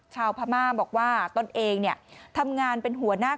ชาวพม่าบอกว่าตนเองทำงานเป็นหัวหน้า